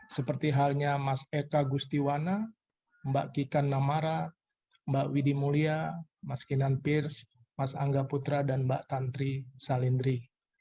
seperti halnya mas eka gustiwana mbak kikan namara mbak widhi mulia mas kinan pirs mas angga putra dan mbak tantri salindri